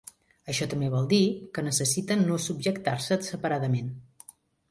Això també vol dir que necessita no subjectar-se separadament.